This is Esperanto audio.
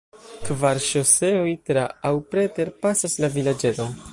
Kvar ŝoseoj tra- aŭ preter-pasas la vilaĝeton.